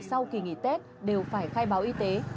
sau kỳ nghỉ tết đều phải khai báo y tế